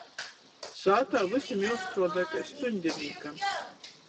Sātā vysim juostruodoj kai stuņdinīkam.